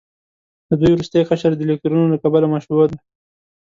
د دوی وروستی قشر د الکترونونو له کبله مشبوع دی.